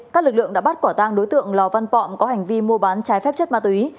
các lực lượng đã bắt quả tang đối tượng lò văn pọng có hành vi mua bán trái phép chất ma túy